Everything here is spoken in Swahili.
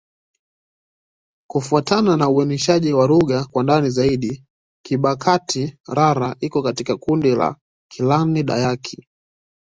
Kufuatana na uainishaji wa lugha kwa ndani zaidi, Kibakati'-Rara iko katika kundi la Kiland-Dayak.